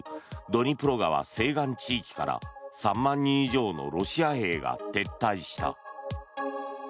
ドニプロ川西岸地域から３万人以上のロシア兵が撤退した。